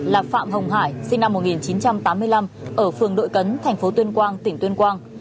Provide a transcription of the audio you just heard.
là phạm hồng hải sinh năm một nghìn chín trăm tám mươi năm ở phường đội cấn thành phố tuyên quang tỉnh tuyên quang